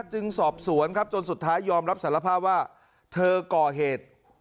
จึงสอบสวนครับจนสุดท้ายยอมรับสารภาพว่าเธอก่อเหตุ